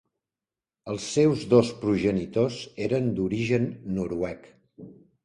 Els seus dos progenitors eren d'origen noruec.